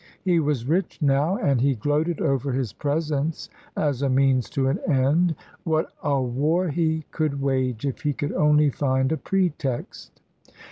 He was rich now, and he gloated over his presents as a means to an end. What a war he could wage, if he could only find a pretext!